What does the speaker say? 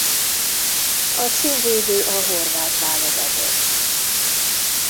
A címvédő a horvát válogatott.